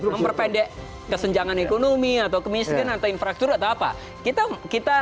memperpendek kesenjangan ekonomi atau kemiskinan atau infrastruktur atau apa